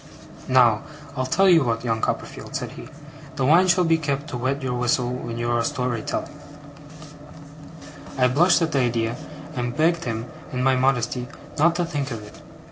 'Now, I'll tell you what, young Copperfield,' said he: 'the wine shall be kept to wet your whistle when you are story telling.' I blushed at the idea, and begged him, in my modesty, not to think of it.